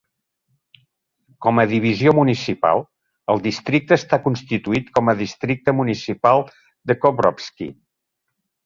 Com a divisió municipal, el districte està constituït com a districte municipal de Kovrovsky.